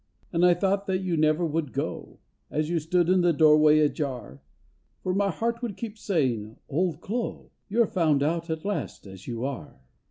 And I thought that you never would go, As you stood in the doorway ajar, For my heart would keep saying, " Old Clo*, You're found out at last as you are."